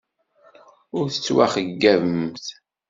Ur tettwaxeyyabemt.